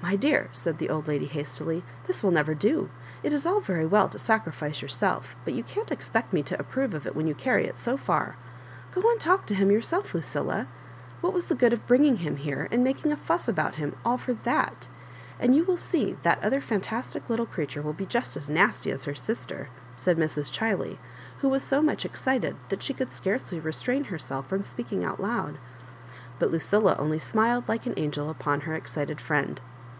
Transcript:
• "My dear," said the old lady, hastily, "this will never do. It is all very well to sacrifice youroslf, but you can't expect me to approve of it when you carry it so &r. Go and talk to him yourself, Lucilla I What was the good of bring ing him here, and making a fuss about him, all for ihaif And you will see that other fantastic little creature will be just as nasty, as her sister,*' said Mrs. Chiley, who was so much excited that she could scarody restrain herself from speaking out loud. •..,. But Lucilla only smiled like an angel upon her excited friend.